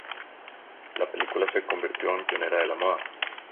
La película se convirtió en pionera de la moda.